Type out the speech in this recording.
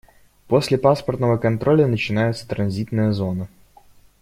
После паспортного контроля начинается транзитная зона.